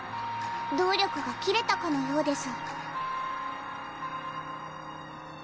動力が切れたかのようです。